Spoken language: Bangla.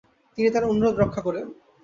তিনি তার অনুরোধ রক্ষা করেন।